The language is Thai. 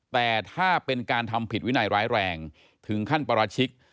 แต่ถ้าเป็นการทำผิดวินัยร้ายแรงถึงขั้นปราชิก